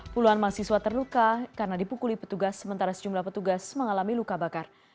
puluhan mahasiswa terluka karena dipukuli petugas sementara sejumlah petugas mengalami luka bakar